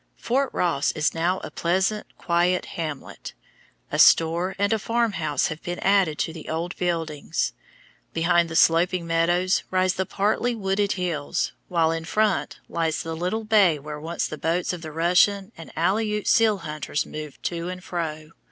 Fort Ross is now a pleasant, quiet hamlet. A store and a farm house have been added to the old buildings. Behind the sloping meadows rise the partly wooded hills, while in front lies the little bay where once the boats of the Russian and Aleut seal hunters moved to and fro.